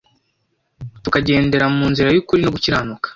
tukagendera mu nzira y’ukuri no gukiranuka.